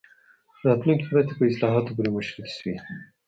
راتلونکې مرستې په اصلاحاتو پورې مشروطې شوې.